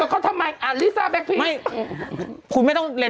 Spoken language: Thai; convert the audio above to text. กลับโทรไปหาอะไร